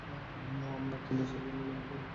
আমার ছেলে সাতজনকে মেরেছে?